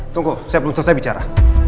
tunggu saya belum selesai bicara